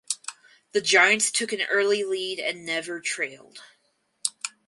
The Giants took an early lead and never trailed.